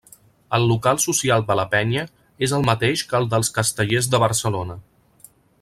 El local social de la penya és el mateix que el dels Castellers de Barcelona.